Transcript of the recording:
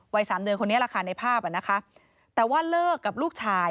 สามเดือนคนนี้แหละค่ะในภาพอ่ะนะคะแต่ว่าเลิกกับลูกชาย